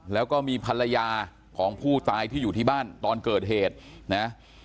แล้วก็มีภรรยาของผู้ตายที่อยู่ที่บ้านตอนเกิดเหตุนะ